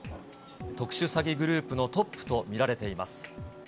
特殊詐欺グループのトップと見られています。